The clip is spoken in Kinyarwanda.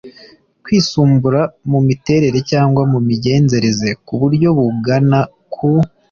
kwisumbura mu miterere cyangwa mu migenzereze ku buryo bugana ku